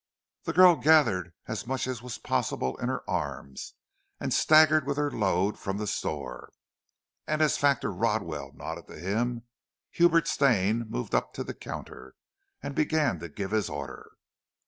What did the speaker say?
The girl gathered as much as was possible in her arms, and staggered with her load from the store, and as Factor Rodwell nodded to him, Hubert Stane moved up the counter, and began to give his order.